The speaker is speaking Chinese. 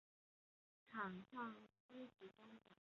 场上司职中场。